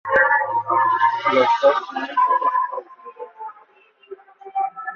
Los dos son músicos autodidactas.